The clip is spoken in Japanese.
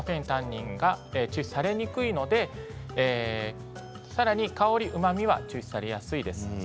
タンニンが抽出されにくいのでさらに香りと、うまみは抽出されやすいです。